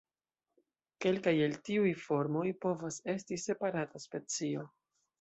Kelkaj el tiuj formoj povas esti separata specio.